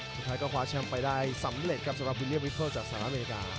สุดท้ายก็คว้าแชมป์ไปได้สำเร็จครับสำหรับวิลเลียวิเคิลจากสหรัฐอเมริกา